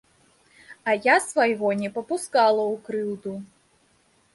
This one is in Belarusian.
А я свайго не папускала ў крыўду!